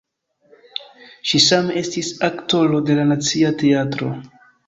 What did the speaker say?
Ŝi same estis aktoro de la Nacia Teatro (Pest).